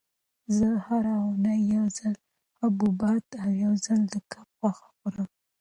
زه هره اونۍ یو ځل حبوبات او یو ځل د کب غوښه خورم.